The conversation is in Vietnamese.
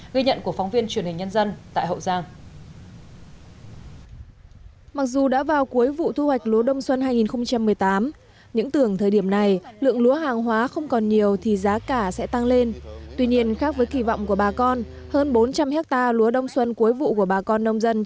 gây nhận của phóng viên truyền hình nhân dân tại hậu giang